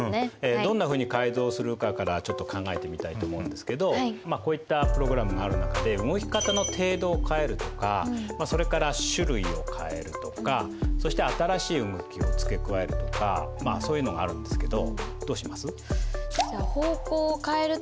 「どんなふうに改造するか」からちょっと考えてみたいと思うんですけどこういったプログラムがある中で動き方の程度を変えるとかそれから種類を変えるとかそして新しい動きを付け加えるとかそういうのがあるんですけどどうします？